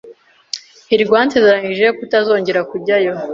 hirwa yansezeranije kutazongera kujyayo.